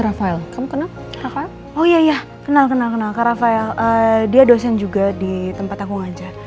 rafael kamu kenal oh iya kenal kenal rafael dia dosen juga di tempat aku ngajar